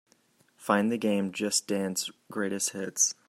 Find the game Just Dance Greatest Hits